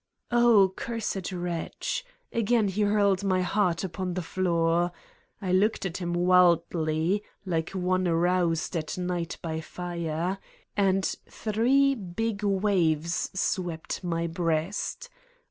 ..." Oh, cursed wretch ! Again he hurled my heart upon the floor! I looked at him wildly, like one aroused at night by fire. And three big waves swept my breast.